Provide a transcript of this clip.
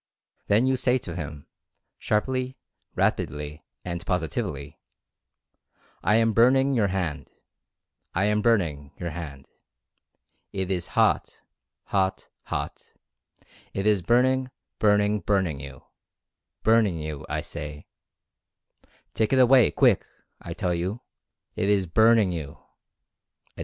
Then you say to him, sharply, rapidly and positively: "I am burning your hand — I am burning your hand. It is hot, hot, hot — it is burning, burning, burning you — burning you / say — take it away, quick, 110 Experiments in Induced Sensation in I tell you, it is burning you/' etc.